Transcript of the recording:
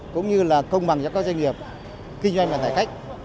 cũng như là công bằng cho các doanh nghiệp kinh doanh và tải cách